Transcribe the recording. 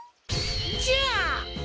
じゃあ。